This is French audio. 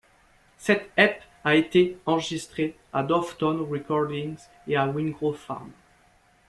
Cet ep a été enregistré à Dovetown Recordings et à Wingrove Farm.